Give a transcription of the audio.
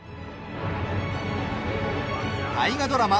大河ドラマ